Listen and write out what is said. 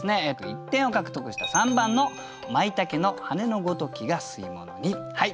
１点を獲得した３番の「舞茸の羽根のごときが吸物に」。